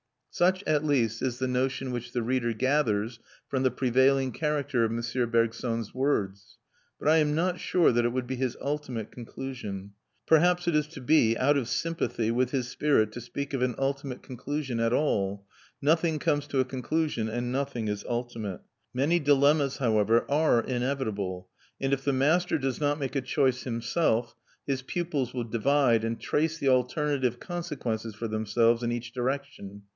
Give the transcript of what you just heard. Such at least is the notion which the reader gathers from the prevailing character of M. Bergson's words; but I am not sure that it would be his ultimate conclusion. Perhaps it is to be out of sympathy with his spirit to speak of an ultimate conclusion at all; nothing comes to a conclusion and nothing is ultimate. Many dilemmas, however, are inevitable, and if the master does not make a choice himself, his pupils will divide and trace the alternative consequences for themselves in each direction.